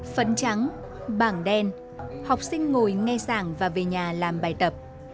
phấn trắng bảng đen học sinh ngồi nghe sảng và về nhà làm bài tập